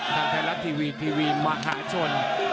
ทางไทยรัฐทีวีทีวีมหาชน